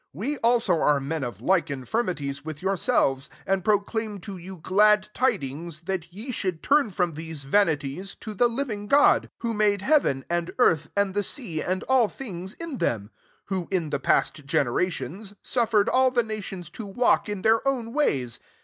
We also are men of like infirmities with yourselves, and proclaim to you glad tidings, that ye should turn from these vanities to the living God; who made heaven, and earth, and the sea, and all things in them : 16 who, in the past generations, suffer ed all the nations to walk in their own ways.